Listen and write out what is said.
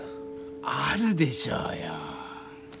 あるでしょうよ。